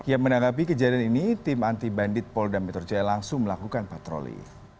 yang menanggapi kejadian ini tim anti bandit pol dametor j langsung melakukan patroli